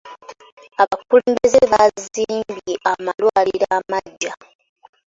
Abakulembeze baazimbye amalwaliro amaggya.